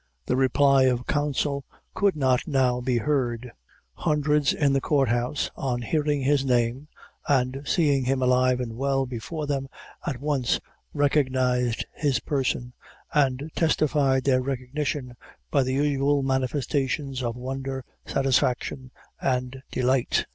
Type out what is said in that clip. The reply of counsel could not now be heard hundreds in the court house, on hearing his name, and seeing him alive and well before them, at once recognized his person, and testified their recognition by the usual manifestations of wonder, satisfaction and delight.